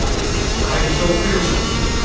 会議所を作りましょう。